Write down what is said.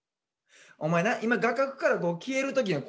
お前な今画角から消えるときな